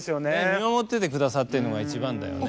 見守っててくださってるのが一番だよね。